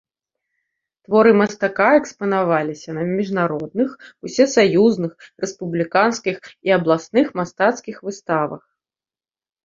Творы мастака экспанаваліся на міжнародных, усесаюзных, рэспубліканскіх і абласных мастацкіх выставах.